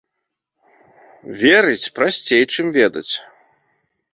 Верыць прасцей, чым ведаць.